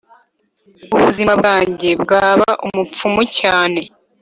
ubuzima bwanjye bwaba umupfumu cyane.